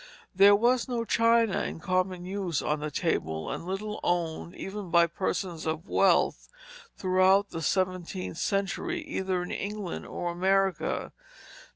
There was no china in common use on the table, and little owned even by persons of wealth throughout the seventeenth century, either in England or America.